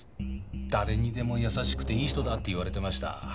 誰にでも優しくていい人だって言われてました。